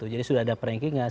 jadi sudah ada perengkingan